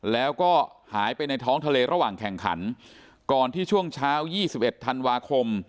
แล้วก็หายไปในท้องทะเลระหว่างแข่งขันก่อนที่ช่วงเช้า๒๑ธันวาคม